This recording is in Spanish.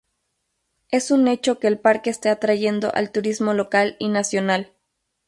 Es un hecho que el parque está atrayendo al turismo local y nacional.